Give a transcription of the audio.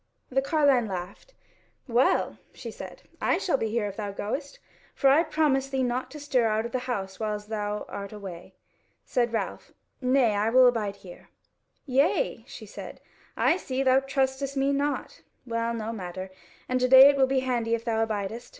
The carline laughed: "Well," she said, "I shall be here if thou goest; for I promise thee not to stir out of the house whiles thou art away." Said Ralph: "Nay, I will abide here." "Yea," she said, "I see: thou trustest me not. Well, no matter; and to day it will be handy if thou abidest.